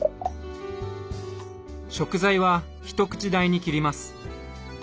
食材は一口大に切ります。